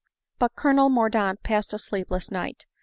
But Colonel Mordaunt passed a sleepless night.